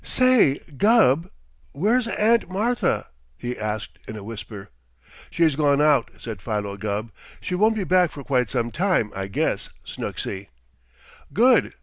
"Say, Gubb, where's Aunt Martha?" he asked in a whisper. "She's gone out," said Philo Gubb. "She won't be back for quite some time, I guess, Snooksy." "Good!"